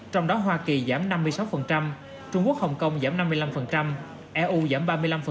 trong đó hoa kỳ giảm năm mươi sáu trung quốc hồng kông giảm năm mươi năm eu giảm ba mươi năm